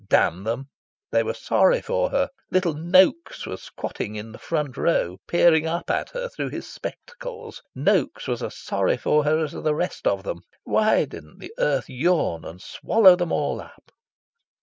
Damn them, they were sorry for her. Little Noaks was squatting in the front row, peering up at her through his spectacles. Noaks was as sorry for her as the rest of them. Why didn't the earth yawn and swallow them all up?